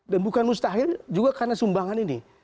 dan bukan mustahil juga karena sumbangan ini